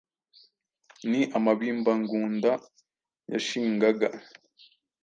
ni amabimba Ngunda yashingaga.